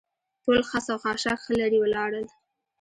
ټول خس او خاشاک ښه لرې ولاړل.